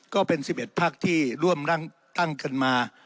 ก็เป็น๑๑พักที่ร่วมตั้งกันมา